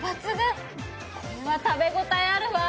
これは食べ応えあるわ。